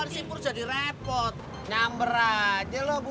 tidak usah tua tua merauh